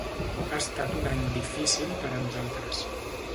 Ha estat un any difícil per a nosaltres.